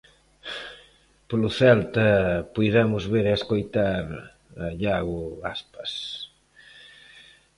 Polo Celta puidemos ver e escoitar a Iago Aspas.